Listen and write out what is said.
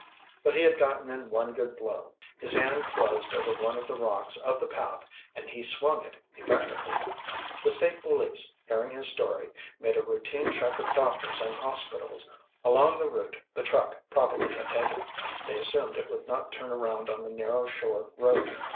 But he had gotten in one good blow. His hand closed over one of the rocks of the path and he swung it effectively. The State Police, hearing his story, made a routine check of doctors and hospitals along the route the truck probably had taken; they assumed it would not turn around on the narrow shore road.